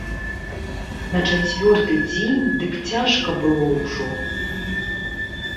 На чацвёрты дзень дык цяжка было ўжо.